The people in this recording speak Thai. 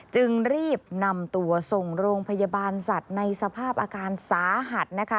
จึงรีบนำตัวส่งโรงพยาบาลสัตว์ในสภาพอาการสาหัสนะคะ